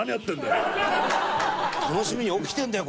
「楽しみに起きてるんだよ